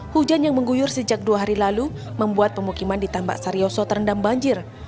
hujan yang mengguyur sejak dua hari lalu membuat pemukiman di tambak saryoso terendam banjir